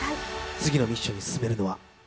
次のミッションに進めるのは。